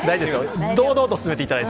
堂々と進めていただいて。